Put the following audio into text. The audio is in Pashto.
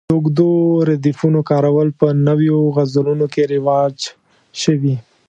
د اوږدو ردیفونو کارول په نویو غزلونو کې رواج شوي.